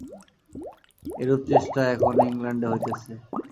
এরূপ চেষ্টা এখনও ইংলণ্ডে হইতেছে।